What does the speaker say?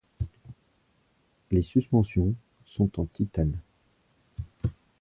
Les suspensions sont en titane.